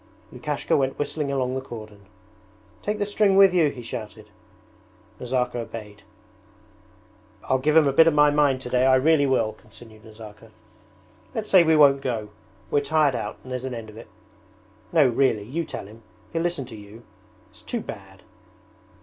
Lukashka went whistling along the cordon. 'Take the string with you,' he shouted. Nazirka obeyed. 'I'll give him a bit of my mind today, I really will,' continued Nazarka. 'Let's say we won't go; we're tired out and there's an end of it! No, really, you tell him, he'll listen to you. It's too bad!'